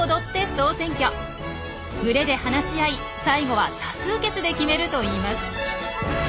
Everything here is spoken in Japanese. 群れで話し合い最後は多数決で決めるといいます。